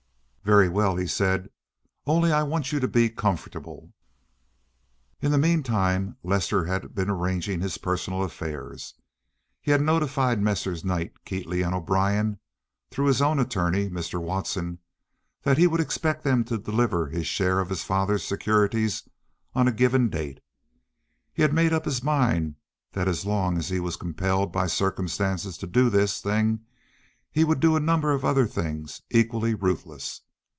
"Very well," he said, "only I want you to be comfortable." In the mean time Lester had been arranging his personal affairs. He had notified Messrs. Knight, Keatley & O'Brien through his own attorney, Mr. Watson, that he would expect them to deliver his share of his father's securities on a given date. He had made up his mind that as long as he was compelled by circumstances to do this thing he would do a number of other things equally ruthless.